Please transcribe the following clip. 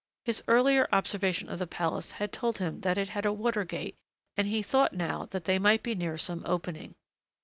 His earlier observation of the palace had told him that it had a water gate and he thought now that they might be near some opening.